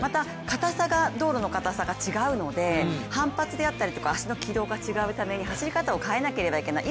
また、道路のかたさが違うので、反発であったりとか足の軌道が違うために走り方を変えなければいけない。